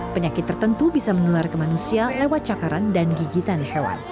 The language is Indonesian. penyakit tertentu bisa menular ke manusia lewat cakaran dan gigitan hewan